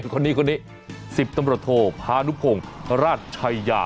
คนนี้คนนี้สิบตำรวจโทษภาพนุภงราชชายา